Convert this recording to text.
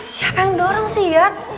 siapa yang dorong sih ya